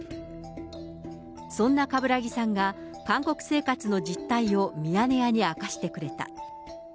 そんな冠木さんが、韓国生活の実態をミヤネ屋に明かしてくれた。